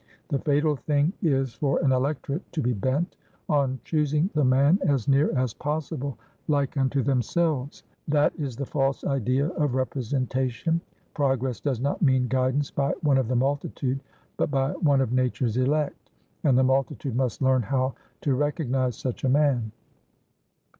The fatal thing is for an electorate to be bent on choosing the man as near as possible like unto themselves. That is the false idea of representation. Progress does not mean guidance by one of the multitude, but by one of nature's elect, and the multitude must learn how to recognise such a man."